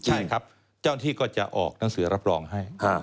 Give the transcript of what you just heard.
เจ้าหน้าที่ก็จะออกหนังสือรับรองให้